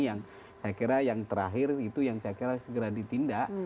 yang saya kira yang terakhir itu yang saya kira segera ditindak